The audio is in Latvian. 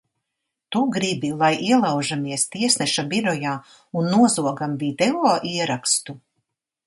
Tu gribi, lai ielaužamies tiesneša birojā un nozogam video ierakstu?